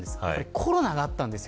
コロナがあったんですよ。